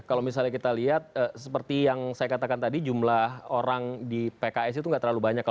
kalau misalnya kita lihat seperti yang saya katakan tadi jumlah orang di pks itu nggak terlalu banyak